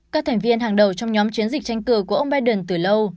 các thành viên hàng đầu trong nhóm chiến dịch tranh cử của ông biden từ lâu